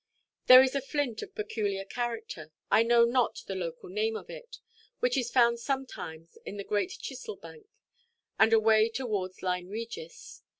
There is a flint of peculiar character—I know not the local name of it—which is found sometimes on the great Chissel Bank, and away towards Lyme Regis.